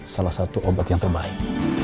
salah satu obat yang terbaik